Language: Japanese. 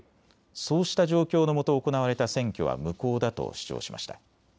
そうした状況のもと行われた選挙は無効だと主張しました。